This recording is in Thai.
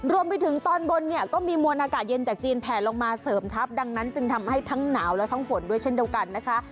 รวมไปถึงตอนบนเนี่ยก็มีมวลอากาศเย็นจากจีนแผลลงมาเสริมทัพดังนั้นจึงทำให้ทั้งหนาวและทั้งฝนด้วยเช่นเดียวกันนะคะ